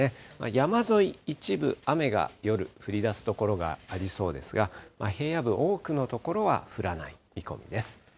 山沿い、一部、雨が夜、降りだす所がありそうですが、平野部、多くの所は降らない見込みです。